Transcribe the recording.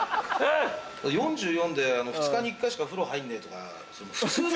４４で２日に１回しか風呂入んねえとか普通だろ。